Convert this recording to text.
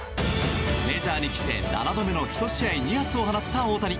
メジャーに来て７度目の１試合２発を放った大谷。